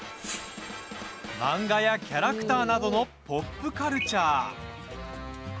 漫画やキャラクターなどのポップカルチャー。